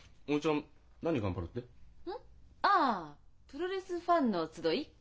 プロレスファンの集い。